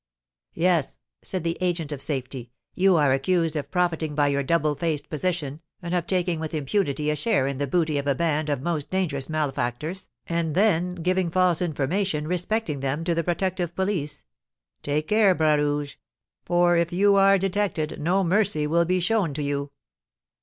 "Yes," said the agent of safety; "you are accused of profiting by your double faced position, and of taking with impunity a share in the booty of a band of most dangerous malefactors, and then giving false information respecting them to the protective police. Take care, Bras Rouge; for if you are detected no mercy will be shown you!"